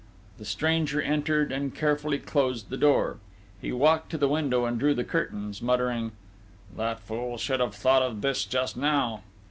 The stranger entered and carefully closed the door. He walked to the window and drew the curtains, muttering: "That fool should have thought of this just now."